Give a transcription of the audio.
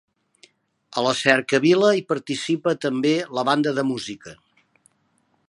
A la cercavila hi participa també la banda de música.